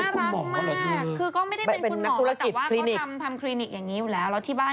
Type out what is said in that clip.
เหมือนมันหันไม่เห็นน้า